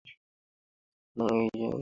মা এই হয় যাকে ছাড়া আমরা বাঁচতে পারি না।